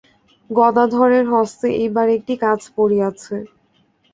গদাধরের হস্তে এইবার একটি কাজ পড়িয়াছে।